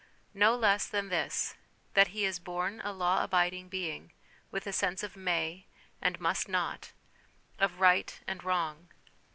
No less than this, that he is born a law abiding being, with a sense of may, and must not, of right and wrong.